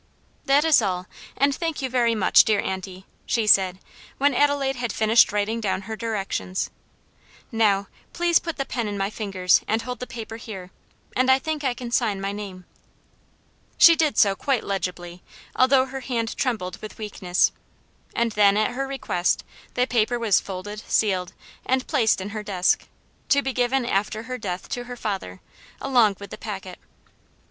"That is all, and thank you very much, dear auntie," she said, when Adelaide had finished writing down her directions; "now, please put the pen in my fingers and hold the paper here, and I think I can sign my name." She did so quite legibly, although her hand trembled with weakness; and then, at her request, the paper was folded, sealed, and placed in her desk, to be given after her death to her father, along with the packet.